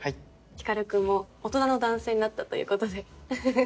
光君も大人の男性になったということでウフフ。